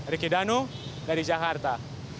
riki danu dari jakarta